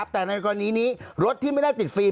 แต่ในกรณีนี้รถที่ไม่ได้ติดฟิล์